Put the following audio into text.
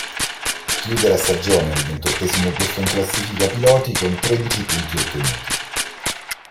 Chiude la stagione al ventottesimo posto in classifica piloti con tredici punti ottenuti.